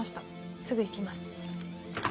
すぐ行きます。